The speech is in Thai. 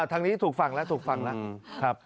ทางนี้ถูกฟังแล้วถูกฟังแล้ว